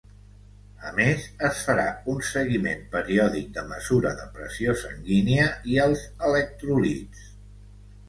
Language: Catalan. A més, es farà un seguiment periòdic de mesura de pressió sanguínia i els electròlits.